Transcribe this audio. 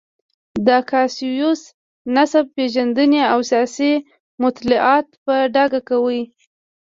د کاسیوس نسب پېژندنې او سیاسي مطالعات په ډاګه کوي.